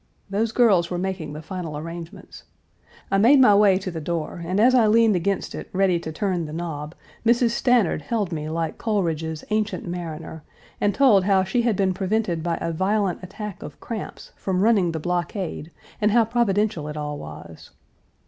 Those girls were making the final arrangements. I made my way to the door, and as I leaned against it ready to turn the knob, Mrs. Stanard held me like Coleridge's Ancient Mariner, and told how she had been prevented by a violent attack of cramps from running the blockade, and how providential it all was.